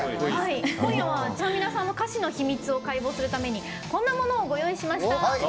今夜は、ちゃんみなさんの歌詞の秘密を解剖するためにこんなものをご用意しました。